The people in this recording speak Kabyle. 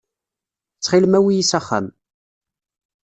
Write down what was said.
Ttxil-m awi-yi s axxam.